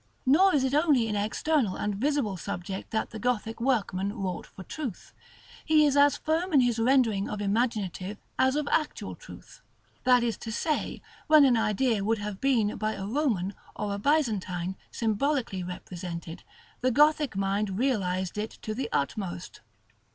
§ LXV. Nor is it only in external and visible subject that the Gothic workman wrought for truth: he is as firm in his rendering of imaginative as of actual truth; that is to say, when an idea would have been by a Roman, or Byzantine, symbolically represented, the Gothic mind realizes it to the utmost.